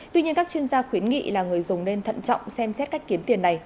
tuy nhiên các chuyên gia khuyến nghị là người dùng nên thận trọng xem xét cách kiếm tiền này